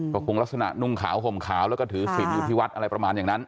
ก็คงลักษณะนุ่งขาวห่มขาวแล้วก็ถือศิลปอยู่ที่วัดอะไรประมาณอย่างนั้น